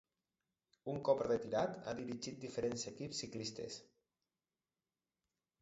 Un cop retirat ha dirigit diferents equips ciclistes.